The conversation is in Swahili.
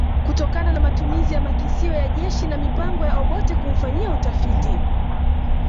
kutokana na matumizi ya makisio ya jeshi na mipango ya Obote kumfanyia utafiti